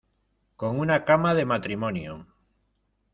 con una cama de matrimonio